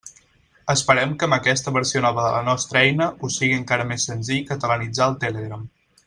Esperem que amb aquesta versió nova de la nostra eina us sigui encara més senzill catalanitzar el Telegram.